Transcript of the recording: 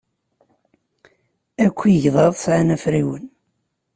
Akk igḍaḍ sɛan afriwen.